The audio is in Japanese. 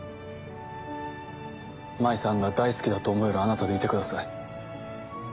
舞さんが大好きだと思えるあなたでいてください。